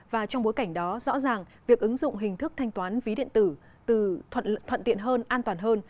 và trong bối cảnh đó rõ ràng việc ứng dụng hình thức thanh toán ví điện tử từ thuận tiện hơn an toàn hơn